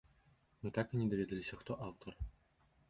Мы так і не даведаліся, хто аўтар.